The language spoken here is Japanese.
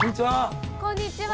こんにちは！